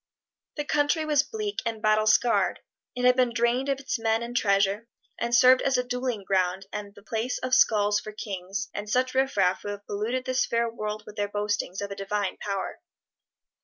The country was bleak and battle scarred; it had been drained of its men and treasure, and served as a dueling ground and the place of skulls for kings and such riffraff who have polluted this fair world with their boastings of a divine power.